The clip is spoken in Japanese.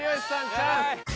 チャンス。